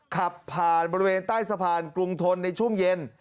ขับผ่านบริเวณใต้สะพานกรุงทนในช่วงเย็น